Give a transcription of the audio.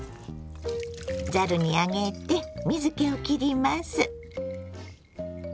ざるに上げて水けをきります。